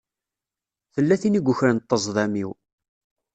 Tella tin i yukren ṭṭezḍam-iw.